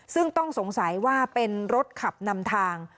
ซึ่งต้องสงสัยว่าเป็นรถขับนำทาง